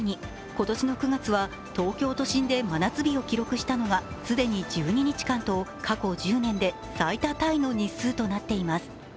今年の９月は東京都心で真夏日を記録したのが既に１２日間と過去１０年で最多タイの日数となっています。